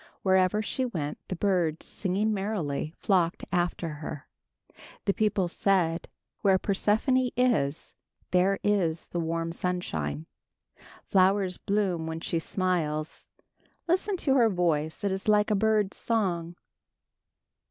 Wherever she went the birds, singing merrily, flocked after her. The people said, "Where Persephone is, there is the warm sunshine. "Flowers bloom when she smiles. "Listen to her voice; it is like a bird's song."